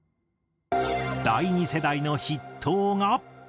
第２世代の筆頭が。